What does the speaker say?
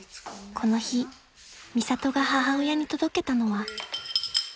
［この日ミサトが母親に届けたのは］